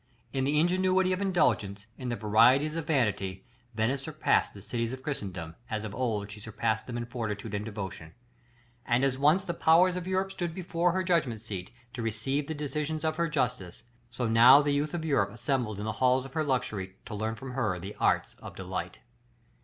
In the ingenuity of indulgence, in the varieties of vanity, Venice surpassed the cities of Christendom, as of old she surpassed them in fortitude and devotion; and as once the powers of Europe stood before her judgment seat, to receive the decisions of her justice, so now the youth of Europe assembled in the halls of her luxury, to learn from her the arts of delight.